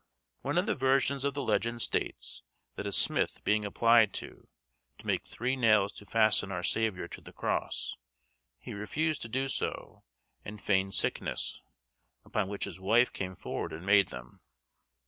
One of the versions of the legend states, that a smith being applied to, to make three nails to fasten our Saviour to the cross, he refused to do so, and feigned sickness, upon which his wife came forward and made them.